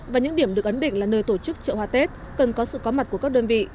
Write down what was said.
và những điểm được ấn định là nơi tổ chức chợ hoa tết cần có sự có mặt của các đơn vị